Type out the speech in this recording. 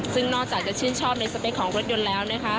ซึ่งนอกจากจะชื่นชอบในสเปคของรถยนต์แล้วนะคะ